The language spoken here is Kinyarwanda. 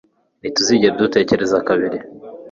ntituzigera dutekereza kabiri